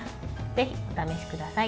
ぜひお試しください。